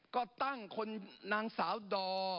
ก็ตั้งคนนางสาวดอด